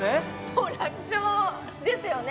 もう楽勝ですよね